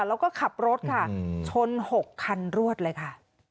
แล้วก็ขับรถค่ะชน๖คันรวดเลยค่ะ